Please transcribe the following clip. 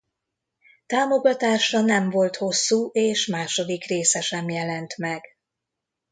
Támogatása nem volt hosszú és második része sem jelent meg.